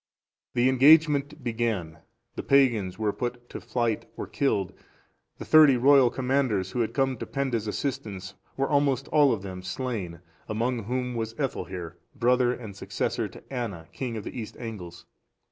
The engagement began, the pagans were put to flight or killed, the thirty royal commanders, who had come to Penda's assistance, were almost all of them slain; among whom was Ethelhere,(436) brother and successor to Anna, king of the East Angles.